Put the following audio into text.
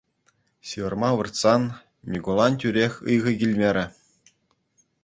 Ҫывӑрма выртсан, Микулан тӳрех ыйхӑ килмерӗ.